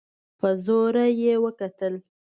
په زوره يې وکتل.